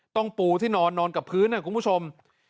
ปูที่นอนนอนกับพื้นนะคุณผู้ชม